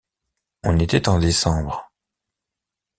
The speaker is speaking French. On était en décembre.